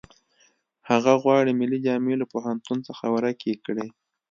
هغه غواړي ملي جامې له پوهنتون څخه ورکې کړي